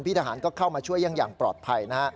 พี่ทหารก็เข้ามาช่วยอย่างปลอดภัย